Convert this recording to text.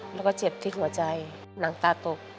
แล้วก็เจ็บที่หัวใจหนังตาตก